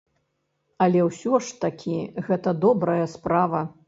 Але ўсё ж такі гэта добрая справа.